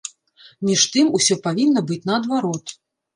Між тым, усё павінна быць наадварот.